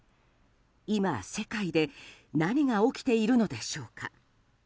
今、世界で何が起きているのでしょうか。